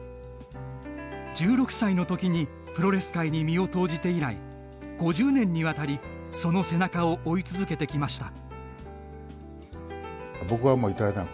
１６歳のときにプロレス界に身を投じて以来５０年にわたりその背中を追い続けてきました。